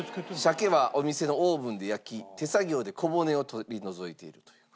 しゃけはお店のオーブンで焼き手作業で小骨を取り除いているという。